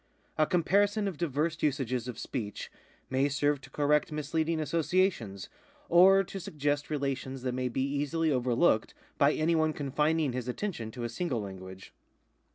A comparison of diverse usages of speech may serve to correct misleading associations, or to suggest relations that may be easily overlooked by any one confining his attention to a single language.